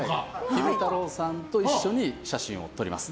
昼太郎さんと一緒に写真を撮ります。